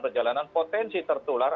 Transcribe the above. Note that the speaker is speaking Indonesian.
perjalanan potensi tertular